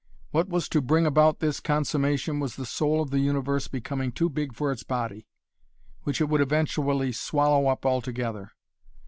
What was to bring about this consummation was the soul of the universe becoming too big for its body, which it would eventually swallow up altogether.